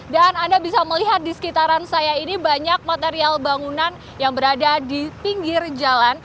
dan anda bisa melihat di sekitaran saya ini banyak material bangunan yang berada di pinggir jalan